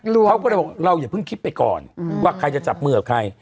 แบบเราก็จะบอกเราอย่าเพิ่งคิดไว้ก่อนมมว่าใครจะจับมือหับ